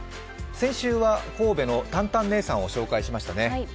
先週は神戸のタンタン姉さんを紹介しましたね。